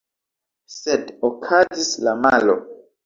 Sed okazis la malo.